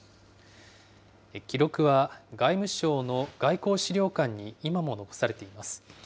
記録は、外務省の外交史料館に今も残されています。